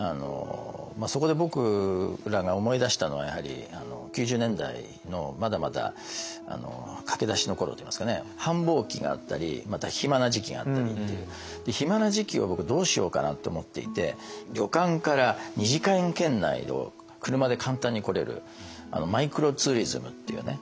そこで僕らが思い出したのはやはり９０年代のまだまだ駆け出しの頃といいますかね繁忙期があったりまた暇な時期があったりっていう暇な時期を僕どうしようかなって思っていて旅館から２時間圏内を車で簡単に来れるマイクロツーリズムっていうね